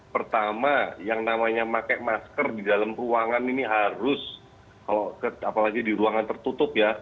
pertama yang namanya pakai masker di dalam ruangan ini harus kalau apalagi di ruangan tertutup ya